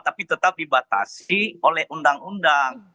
tapi tetap dibatasi oleh undang undang